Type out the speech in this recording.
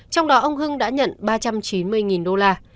trong đó ông hưng đã nhận ba trăm chín mươi đô la